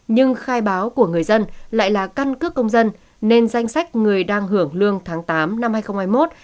nhưng khai báo của người dân lại là căn cước công dân nên danh sách người đang hưởng lương tháng tám năm hai nghìn hai mươi một